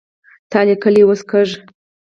تا ليکلې اوس کږه